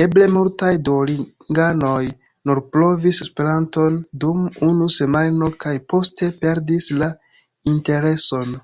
Eble multaj duolinganoj nur provis Esperanton dum unu semajno kaj poste perdis la intereson.